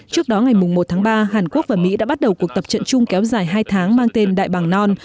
trước đó ngày một tháng ba hàn quốc và mỹ đã bắt đầu cuộc tập trận chung kéo dài hai tháng mang tên đại bằng non